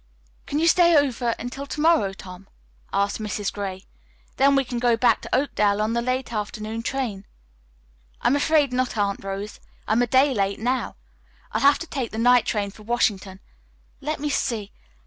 "Can you stay over until to morrow, Tom?" asked Mrs. Gray. "Then we can go back to Oakdale on the late afternoon train." "I'm afraid not, Aunt Rose, I'm a day late now. I'll have to take the night train for Washington. Let me see."